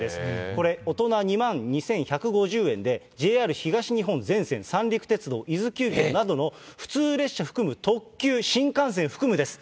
これ、大人２万２１５０円で、ＪＲ東日本全線、三陸鉄道、伊豆急行などの普通列車含む特急、新幹線含むです。